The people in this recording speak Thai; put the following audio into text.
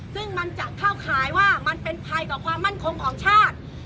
ซึ่งมันจะเข้าข่ายว่ามันเป็นภัยต่อความมั่นคงของชาติ